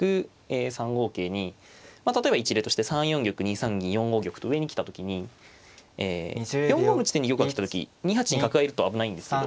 ３五桂に例えば一例として３四玉２三銀４五玉と上に来た時に４五の地点に玉が来た時２八に角がいると危ないんですけど。